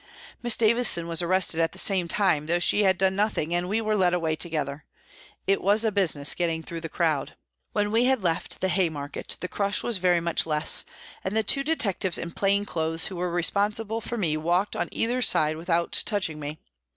Miss Davison was arrested at the same time, though she had done nothing, and we were led away together. It was a business getting through the crowd. When we had left the Haymarket the crush was very much less, and the two detectives in plain clothes who were responsible for me walked on either side without touching me.